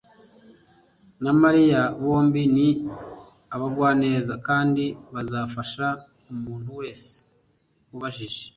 na Mariya bombi ni abagwaneza kandi bazafasha umuntu wese ubajije.